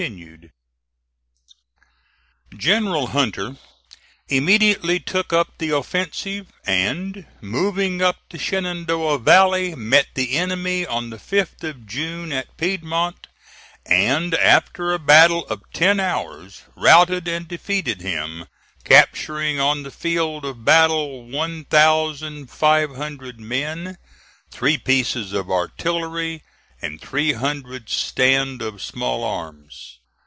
HALLECK." General Hunter immediately took up the offensive, and, moving up the Shenandoah Valley, met the enemy on the 5th of June at Piedmont, and, after a battle of ten hours, routed and defeated him, capturing on the field of battle one thousand five hundred men, three pieces of artillery, and three hundred stand of small arms.